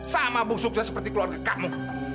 sama bung sukses seperti keluarga kamu